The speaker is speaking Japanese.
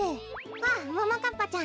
あももかっぱちゃん。